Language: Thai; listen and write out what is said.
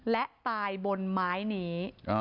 และตายบนไม้นี้